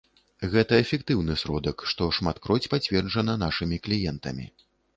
Гэта эфектыўны сродак, што шматкроць пацверджана нашымі кліентамі.